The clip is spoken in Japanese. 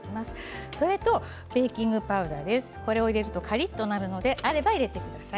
ベーキングパウダーを入れるとカリッとなるのであれば入れてください。